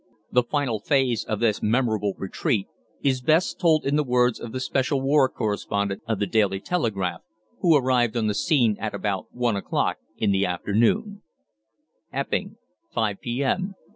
The final phase of this memorable retreat is best told in the words of the special war correspondent of the "Daily Telegraph," who arrived on the scene at about one o'clock in the afternoon: "EPPING, 5 P.M.